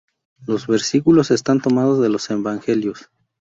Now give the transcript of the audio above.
Los versículos están tomados de los Evangelios.